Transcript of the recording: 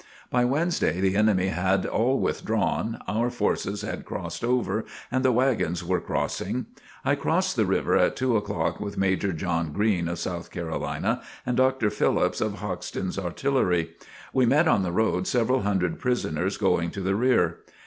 By Wednesday the enemy had all withdrawn, our forces had crossed over and the wagons were crossing. I crossed the river at two o'clock with Major John Green, of South Carolina, and Dr. Phillips, of Hoxton's Artillery. We met on the road several hundred prisoners going to the rear.